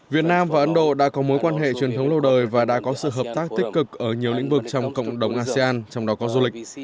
việt nam và ấn độ đã có mối quan hệ truyền thống lâu đời và đã có sự hợp tác tích cực ở nhiều lĩnh vực trong cộng đồng asean trong đó có du lịch